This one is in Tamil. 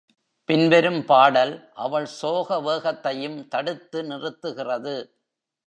பின்வரும் பாடல் அவள் சோக வேகத்தையும் தடுத்து நிறுத்துகிறது.